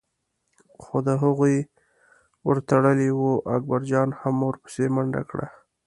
خو د هغوی ور تړلی و، اکبرجان هم ور پسې منډه کړه.